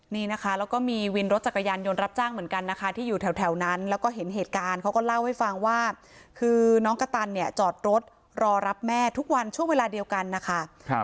นี่นะคะแล้วก็มีวินรถจักรยานยนต์รับจ้างเหมือนกันนะคะที่อยู่แถวนั้นแล้วก็เห็นเหตุการณ์เขาก็เล่าให้ฟังว่าคือน้องกระตันเนี่ยจอดรถรอรับแม่ทุกวันช่วงเวลาเดียวกันนะคะ